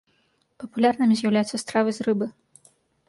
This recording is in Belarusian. Папулярнымі з'яўляюцца стравы з рыбы.